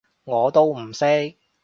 我都唔識